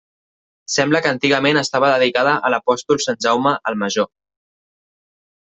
Sembla que antigament estava dedicada a l'apòstol Sant Jaume el Major.